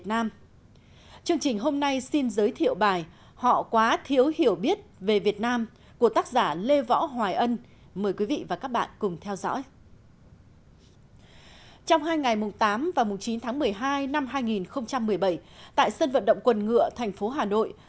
trong hai ngày tám và chín tháng một mươi hai năm hai nghìn một mươi bảy tại sân vận động quần ngựa tp hà nội